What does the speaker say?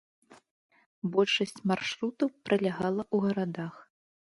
Большасць маршрутаў пралягала ў гарадах.